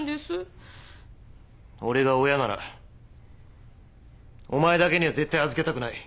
俺が親ならお前だけには絶対預けたくない。